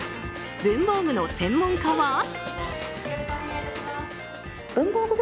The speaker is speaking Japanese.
文房具の専門家は。